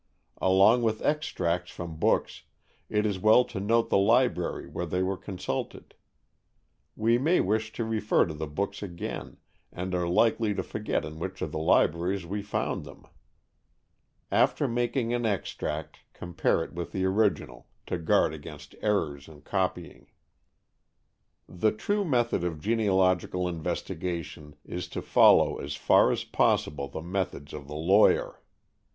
Along with extracts from books, it is well to note the library where they were consulted. We may wish to refer to the books again, and are likely to forget in which of the libraries we found them. After making an extract, compare it with the original, to guard against errors in copying. The true method of genealogical investigation is to follow as far as possible the methods of the lawyer.